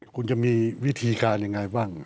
คุณจะมีวิธีการยังไงบ้าง